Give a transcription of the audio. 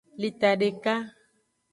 Lita deka.